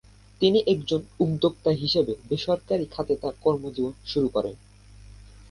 তিনি একজন উদ্যোক্তা হিসেবে বেসরকারি খাতে তাঁর কর্মজীবন শুরু করেন।